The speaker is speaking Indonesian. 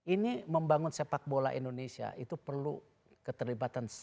ini membangun sepak bola indonesia itu perlu keterlibatan